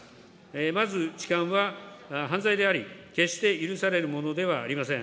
まず痴漢は犯罪であり、決して許されるものではありません。